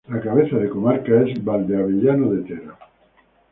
La cabeza de comarca es Valdeavellano de Tera.